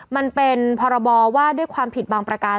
มันเป็นพรบว่าด้วยความผิดบางประการ